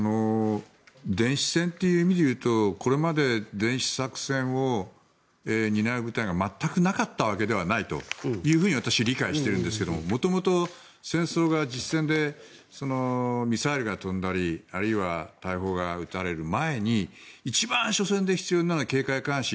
電子戦という意味でいうとこれまで電子作戦を担う部隊が全くなかったわけではないと私、理解しているんですが元々、戦闘、実戦でミサイルが飛んだりあるいは大砲が撃たれる前に一番緒戦で必要なのは警戒・監視。